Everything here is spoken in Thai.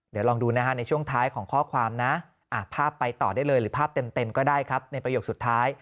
เดี๋ยวลองดูนะฮะในช่วงท้ายของข้อความนะภาพไปต่อได้เลยหรือภาพเต็มก็ได้ครับในประโยคสุดท้าย